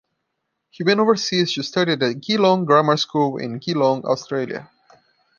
He went overseas to study at the Geelong Grammar School in Geelong, Australia.